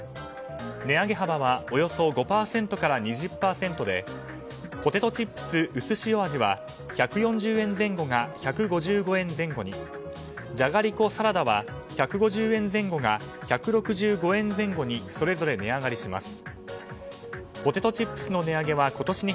値上げ幅はおよそ５％から２０％でポテトチップスうすしお味は１４０円前後が１５５円前後にじゃがりこサラダは１５０円前後が１６５円前後にそれぞれ値上がりします。